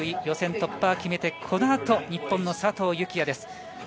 予選突破は決めて、このあと日本の佐藤幸椰です。